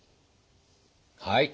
はい。